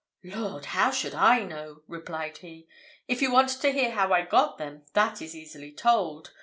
"Lord! how should I know?" replied he. "If you want to hear how I got them, that is easily told.